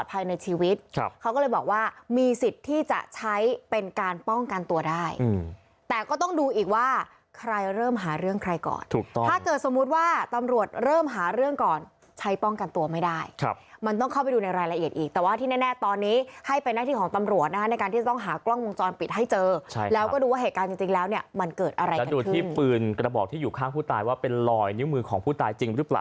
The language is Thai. ถ้าเกิดสมมติว่าตำรวจเริ่มหาเรื่องก่อนใช้ป้องกันตัวไม่ได้มันต้องเข้าไปดูในรายละเอียดอีกแต่ว่าที่แน่ตอนนี้ให้เป็นหน้าที่ของตำรวจนะในการที่ต้องหากล้องมงจรปิดให้เจอแล้วก็ดูว่าเหตุการณ์จริงแล้วเนี่ยมันเกิดอะไรกันขึ้นจะดูที่ปืนกระบอกที่อยู่ข้างผู้ตายว่าเป็นลอยนิ้วมือของผู้ตายจริ